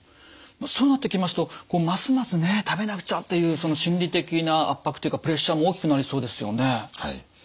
そうなってきますとますますね食べなくちゃっていうその心理的な圧迫というかプレッシャーも大きくなりそうですよね。